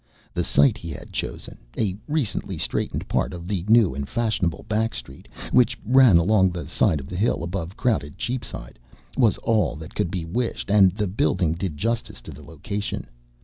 The site he had chosen a recently straightened part of the new and fashionable Back Street, which ran along the side of the hill above crowded Cheapside was all that could be wished, and the building did justice to the location.